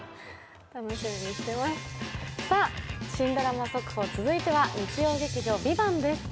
新ドラマ速報、続いては日曜劇場「ＶＩＶＡＮＴ」です。